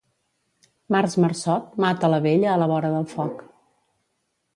Març marçot mata la vella a la vora del foc